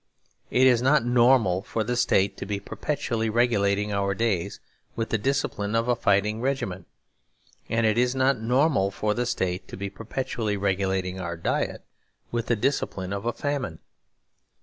It is not normal for the State to be perpetually regulating our days with the discipline of a fighting regiment; and it is not normal for the State to be perpetually regulating our diet with the discipline of a famine.